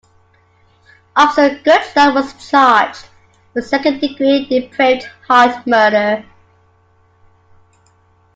Officer Goodson was charged with second-degree depraved-heart murder.